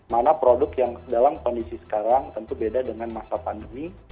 mana produk yang dalam kondisi sekarang tentu beda dengan masa pandemi